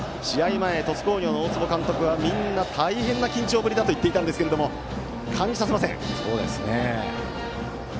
前、鳥栖工業の大坪監督はみんな大変な緊張ぶりだと話していましたが感じさせません。